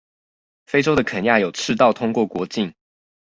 非州的肯亞有赤道通過國境